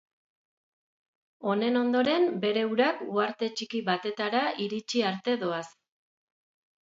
Honen ondoren, bere urak, uharte txiki batetara iritsi arte doaz.